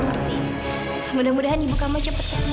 berarti mudah mudahan ibu kamu cepetkan